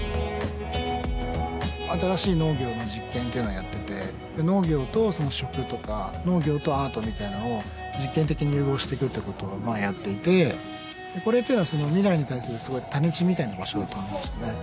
新しい農業の実験っていうのはやっててで農業とその食とか農業とアートみたいなのを実験的に融合してくってことはまあやっていてこれっていうのはその未来に対するすごい種地みたいな場所だと思うんですよね